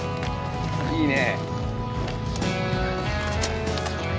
いいね。